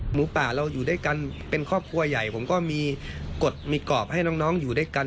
หมูป่าเราอยู่ด้วยกันเป็นครอบครัวใหญ่ผมก็มีกฎมีกรอบให้น้องอยู่ด้วยกัน